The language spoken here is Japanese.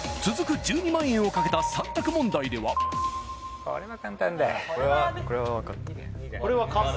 １２万円をかけた３択問題ではこれは簡単？